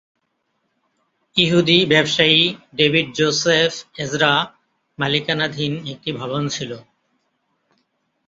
ইহুদি ব্যবসায়ী David Joseph Ezra মালিকানাধীন একটি ভবন ছিল।